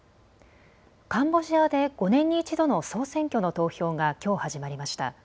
カンボジアで５年に１度の総選挙の投票がきょう始まりました。